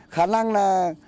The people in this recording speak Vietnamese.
khả năng là